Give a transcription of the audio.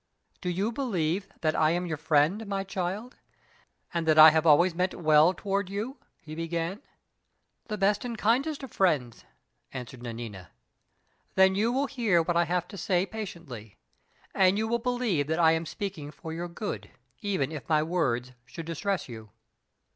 "Do you believe that I am your friend, my child, and that I have always meant well toward you?" he began. "The best and kindest of friends," answered Nanina. "Then you will hear what I have to say patiently, and you will believe that I am speaking for your good, even if my words should distress you?"